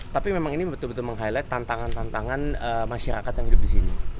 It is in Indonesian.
tapi memang ini betul betul meng highlight tantangan tantangan masyarakat yang hidup di sini